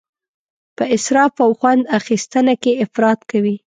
په اسراف او خوند اخیستنه کې افراط کوي.